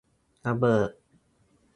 ระเบิด